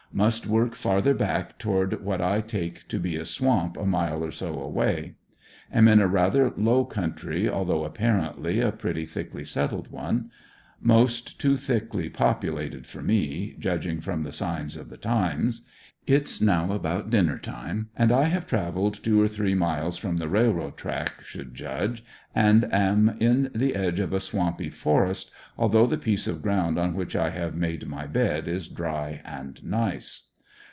Must work farther back toward what 1 take to be a swamp a mile or so away. Am in a rather low country although apparently a pretty thickly settled one ; most too thickly populated for me, judging from the signs of the times It's now about dinner time, and I have traveled two or three miles from the railroad track, should judge and am in the edge of a swampy for est, although the piece of ground on which I have made my bed is dry and nice.